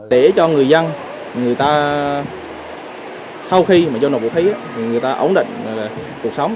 để cho người dân người ta sau khi vào nội vụ khí người ta ổn định cuộc sống